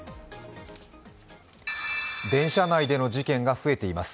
電車内での事件が増えています。